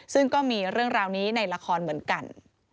ซึ่งก็มีเรื่องราวนี้ในละครเหมือนกัน